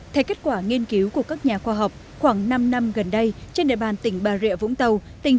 theo kết quả nghiên cứu của các nhà khoa học khoảng năm năm gần đây trên địa bàn tỉnh bà rịa vũng tàu